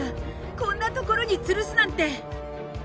こんなところにつるすなんて。